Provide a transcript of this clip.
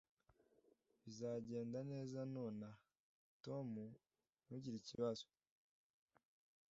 Bizagenda neza nonaha, Tom, ntugire ikibazo.